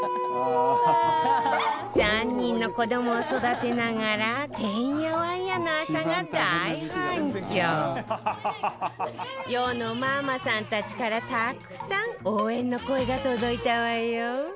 ３人の子どもを育てながらてんやわんやな朝が大反響世のママさんたちからたくさん応援の声が届いたわよ